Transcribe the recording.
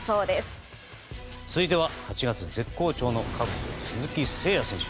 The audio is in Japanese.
続いては、８月絶好調のカブスの鈴木誠也選手。